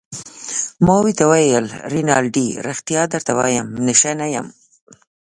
ورته ومې ویل: رینالډي ريښتیا درته وایم، نشه نه یم.